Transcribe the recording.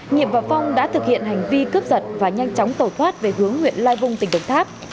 nhiệm và phong đã thực hiện hành vi cướp giật và nhanh chóng tẩu thoát về hướng huyện lai vung tỉnh đồng tháp